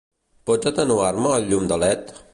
Pots atenuar-me el llum de led?